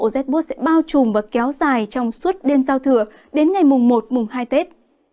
rét bút sẽ bao trùm và kéo dài trong suốt đêm giao thừa đến ngày mùng một mùng hai tết